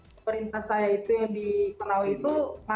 pemerintah saya itu yang dikenal itu